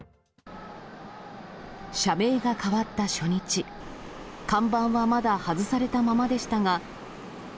社名が変わった初日、看板はまだ外されたままでしたが。